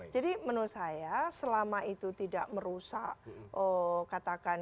jadi menurut saya selama kira kira dua bulan ini ya kita akan mencermati apa yang